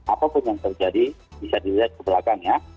apapun yang terjadi bisa dilihat ke belakang ya